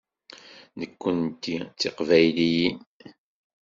Nekkenti d Tiqbayliyin.